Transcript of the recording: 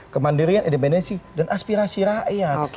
kemandirian independensi dan aspirasi rakyat